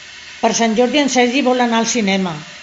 Per Sant Jordi en Sergi vol anar al cinema.